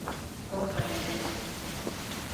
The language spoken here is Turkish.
Tophane'de!